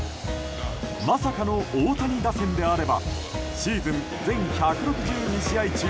まさかの大谷打線であればシーズン全１６２試合中